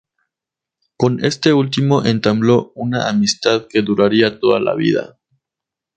Con este último entabló una amistad que duraría toda su vida.